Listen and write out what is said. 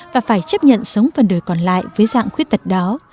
và phải chấp nhận sống phần đời còn lại với dạng khuyết tật đó